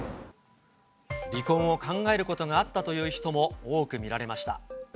離婚を考えることがあったという人も多く見られました。